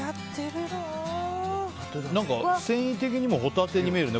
繊維的にもホタテに見えるね。